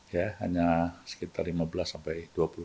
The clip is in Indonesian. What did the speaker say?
ya hanya sekitar lima belas sampai dua puluh